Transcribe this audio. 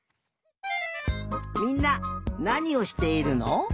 みんななにをしているの？